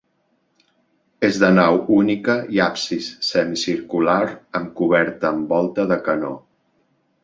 És de nau única i absis semicircular amb coberta amb volta de canó.